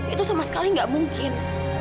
itu sama sekali nggak mungkin